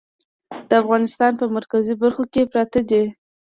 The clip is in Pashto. د افغانستان په مرکزي برخو کې پراته دي.